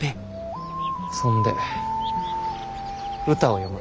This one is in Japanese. そんで歌を詠む。